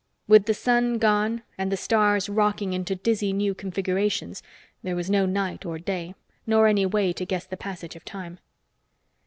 With the sun gone and the stars rocking into dizzy new configurations, there was no night or day, nor any way to guess the passage of time.